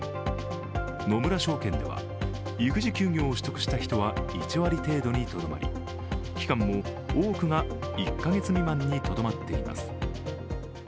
野村證券では育児休業を取得した人は１割程度にとどまり期間も多くが１カ月未満にとどまっています。